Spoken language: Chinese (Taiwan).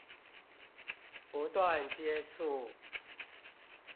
不斷接觸